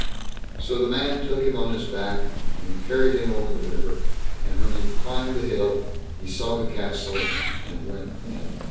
So the man took him on his back and carried him over the river; and when he climbed the hill, he saw the castle, and went in.